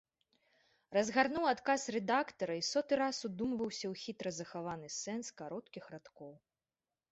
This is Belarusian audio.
Разгарнуў адказ рэдактара і соты раз удумваўся ў хітра захаваны сэнс кароткіх радкоў.